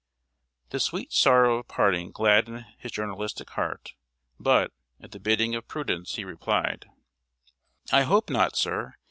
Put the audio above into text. ] The "sweet sorrow" of parting gladdened his journalistic heart; but, at the bidding of prudence, he replied: "I hope not, sir.